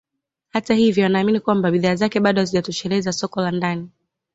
Hata hivyo anaamini kwamba bidhaa zake bado hazijatosheleza soko la ndani